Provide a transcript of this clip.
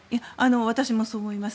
私もそう思います。